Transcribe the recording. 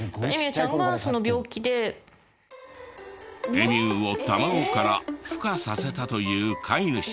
エミューを卵から孵化させたという飼い主さん。